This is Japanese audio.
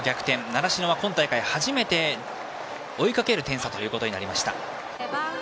習志野は今大会初めて追いかける展開となりました。